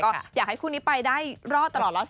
ก็อยากให้คู่นี้ไปได้รอดตลอดรอดฝากนะ